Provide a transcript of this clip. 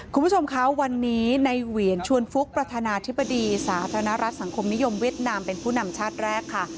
คุณผู้ชมคะวันนี้ในเหวียนชวนฟุกประธานาธิบดีสาธารณรัฐสังคมนิยมเวียดนามเป็นผู้นำชาติแรกค่ะ